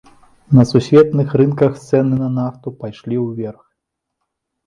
На сусветных рынках цэны на нафту пайшлі ўверх.